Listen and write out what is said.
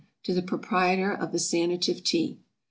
To the Proprietor of the SANATIVE TEA.